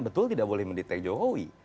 betul tidak boleh mendetek jokowi